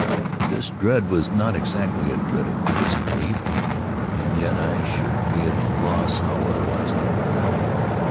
This dread was not exactly a dread of physical evil—and yet I should be at a loss how otherwise to define it.